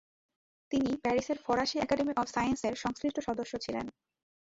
তিনি প্যারিসের ফরাসি একাডেমি অফ সায়েন্সেসের সংশ্লিষ্ট সদস্য ছিলেন।